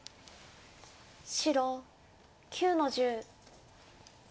白９の十。